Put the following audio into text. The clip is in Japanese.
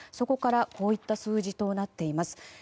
ここからこういった数字となっています。